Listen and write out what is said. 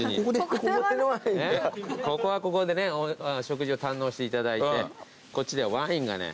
ここはここでね食事を堪能していただいてこっちでワインがね